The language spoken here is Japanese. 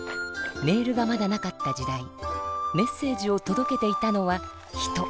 メールがまだなかった時代メッセージをとどけていたのは人。